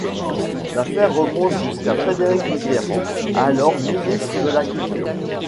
L'affaire remonte jusqu'à Frédéric Mitterrand, alors ministre de la Culture.